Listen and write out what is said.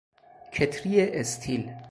کتری استیل